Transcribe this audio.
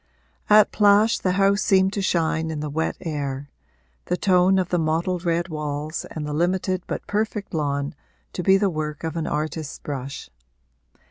At Plash the house seemed to shine in the wet air the tone of the mottled red walls and the limited but perfect lawn to be the work of an artist's brush.